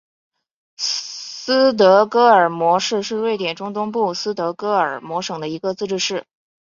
斯德哥尔摩市是瑞典中东部斯德哥尔摩省的一个自治市。